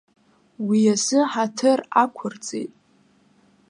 Уи азы ҳаҭыр ақәырҵеит.